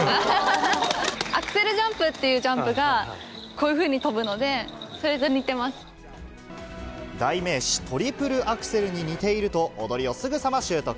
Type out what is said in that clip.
アクセルジャンプっていうジャンプがこういうふうに跳ぶので、代名詞、トリプルアクセルに似ていると、踊りをすぐさま習得。